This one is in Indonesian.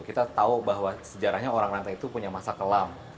kita tahu bahwa sejarahnya orang rantai itu punya masa kelam